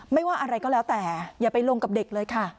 ไม่ว่าอะไรก็แล้วแต่อย่าไปลงกับเด็กเลยค่ะ